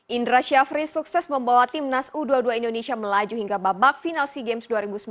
indra syafri sukses membawa timnas u dua puluh dua indonesia melaju hingga babak final sea games dua ribu sembilan belas